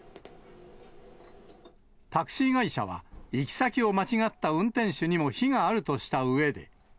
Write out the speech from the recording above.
タクシー会社は、行き先を間違った運転手にも非があるとしたうえで。